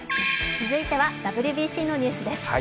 続いてはＷＢＣのニュースです。